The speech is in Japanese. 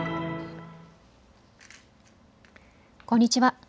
こんにちは。